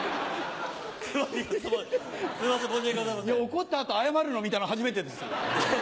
怒った後謝るの見たの初めてです。